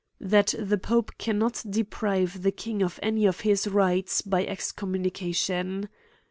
That the pope cannot deprive the king of any of his rights, by excommunication.